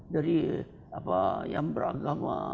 dari yang beragama